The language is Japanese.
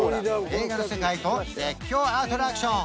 映画の世界と絶叫アトラクション